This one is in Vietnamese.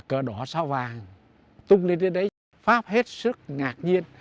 cờ đỏ sao vàng tung lên đến đấy pháp hết sức ngạc nhiên